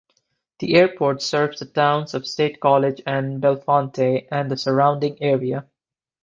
The airport serves the towns of State College and Bellefonte, and the surrounding area.